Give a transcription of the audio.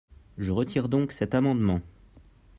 Je retire donc cet amendement.